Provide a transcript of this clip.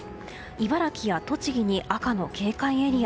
茨城や栃木に赤の警戒エリア。